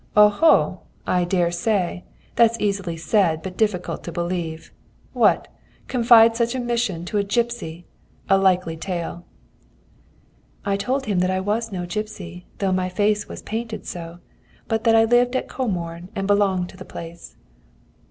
"'Oho! I daresay! That's easily said, but difficult to believe. What! confide such a mission to a gipsy! A likely tale!' "I told him that I was no gipsy, though my face was painted so, but that I lived at Comorn and belonged to the place.